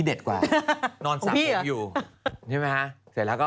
ดำนะสวัสดีค่ะ